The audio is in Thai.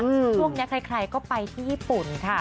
ช่วงนี้ใครก็ไปที่ญี่ปุ่นค่ะ